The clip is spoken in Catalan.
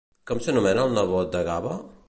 Com s'anomena el nebot d'Agave?